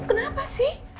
kamu kenapa sih